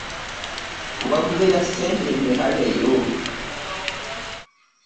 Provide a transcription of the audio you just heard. Waguze lya ssente mmeka leero?